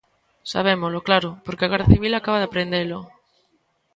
Sabémolo, claro, porque a Garda Civil acaba de prendelo.